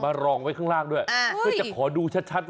รองไว้ข้างล่างด้วยเพื่อจะขอดูชัด